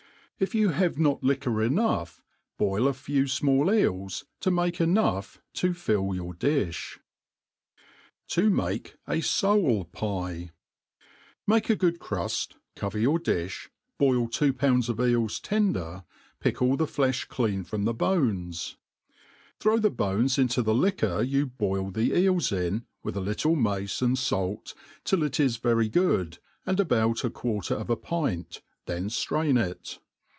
If you have not liquor Enough, boil a few fmall eels, to make enough to fill your diih. To make a Soal'Pie* __ MAKE a good cruft, cover your difti, boil two pounds of eels^ tender, pick all the flefh clean from the bones \ throw the bones ' into MADE PLAIN AND EASY. 233 f ' into fhe liquor you boil the eels in, with a little mace and fait, till it is very good, and about a quarter of a pint, then ftrain it.